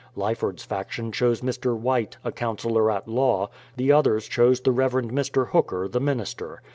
Lyford's faction chose Mr. White, a counsellor at law ; the others chose the Rev. Mr. Hooker, the minister.